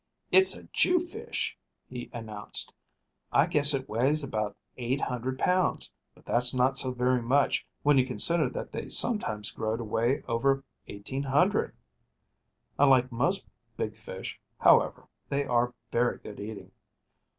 "It's a Jew fish," he announced. "I guess it weighs about 800 pounds, but that's not so very much, when you consider that they sometimes grow to weigh over 1,800. Unlike most big fish, however, they are very good eating.